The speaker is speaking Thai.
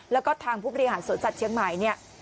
แล้วก็ทางผู้บริหารสวนสัตว์เชียงใหม่เนี่ย